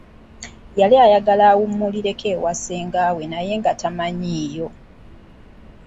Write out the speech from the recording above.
Yali ayagala awummulireko ewa ssenga we naye nga tamanyiiyo.